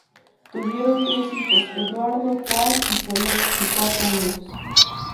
Tuvieron tres hijos: Eduardo, Juan y Sole, y cuatro nietos.